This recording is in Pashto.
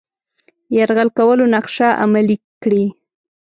یرغل کولو نقشه عملي کړي.